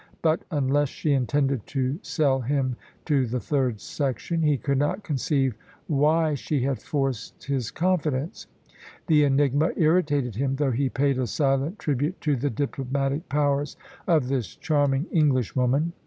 But unless she intended to sell him to the Third Section, he could not conceive why she had forced his confidence. The enigma irritated him, though he paid a silent tribute to the diplomatic powers of this charming Englishwoman.